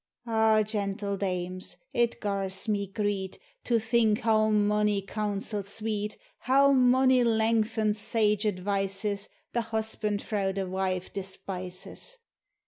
Ah, gentle dames ! it gars me greet To think how monie counsels sweet, How monie lengthened sage advices, The husband frae the wife despises